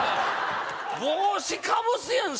帽子かぶすやん